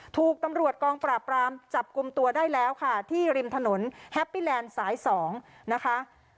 ถูกตำรวจกองปราบรามจับกลุ่มตัวได้แล้วค่ะที่ริมถนนแฮปปี้แลนด์สาย๒นะคะ